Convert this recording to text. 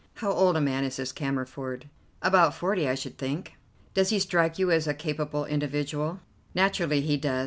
How old a man is this Cammerford?" "About forty, I should think." "Does he strike you as a capable individual?" "Naturally he does.